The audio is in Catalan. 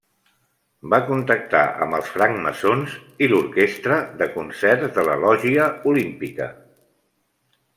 Va contactar amb els francmaçons i l'orquestra de Concerts de la Lògia Olímpica.